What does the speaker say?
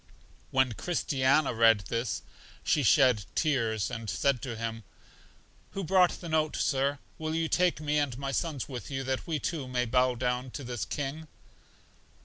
When Christiana read this, she shed tears, and said to him who brought the note, Sir, will you take me and my sons with you, that we, too, may bow down to this king?